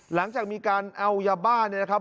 หลังจากมีการเอายาบ้าเนี่ยนะครับ